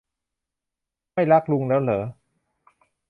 ไม่รักลุงแล้วหรอ